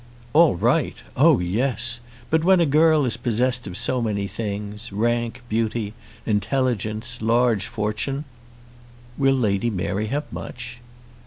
"All right! oh yes. But when a girl is possessed of so many things, rank, beauty, intelligence, large fortune, " "Will Lady Mary have much?"